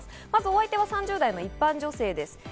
お相手は３０代の一般女性です。